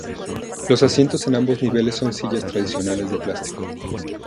Los asientos en ambos niveles son sillas tradicionales de plástico.